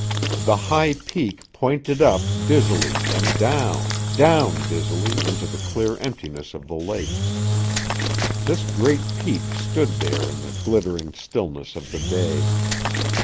The high peak pointed up dizzily and down, down dizzily into the clear emptiness of the lake. This great peak stood there in the glittering stillness of the day.